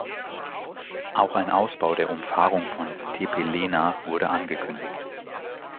Auch ein Ausbau der Umfahrung von Tepelena wurde angekündigt.